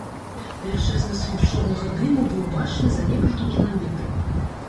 Велічэзны слуп чорнага дыму быў бачны за некалькі кіламетраў.